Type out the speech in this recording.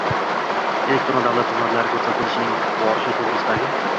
elektron davlat xizmatlari ko‘rsatilishining borishi to‘g‘risidagi